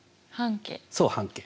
そう半径。